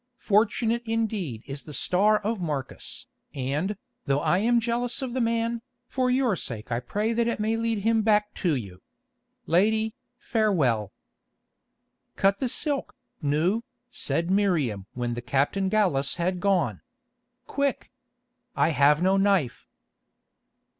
Fortunate indeed is the star of Marcus, and, though I am jealous of the man, for your sake I pray that it may lead him back to you. Lady, farewell." "Cut the silk, Nou," said Miriam when the Captain Gallus had gone. "Quick. I have no knife."